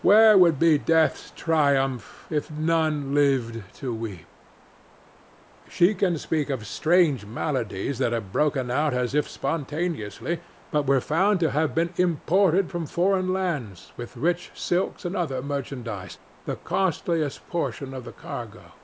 Where would be Death's triumph if none lived to weep? She can speak of strange maladies that have broken out as if spontaneously, but were found to have been imported from foreign lands with rich silks and other merchandise, the costliest portion of the cargo.